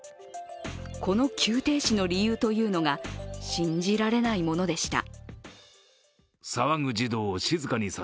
この急停止の理由というのが信じられないものでした。